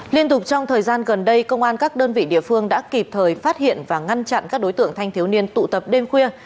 liên tục trong thời gian gần đây công an các đơn vị địa phương đã kịp thời phát hiện và ngăn chặn các đối tượng thanh thiếu niên tụ tập đêm khuya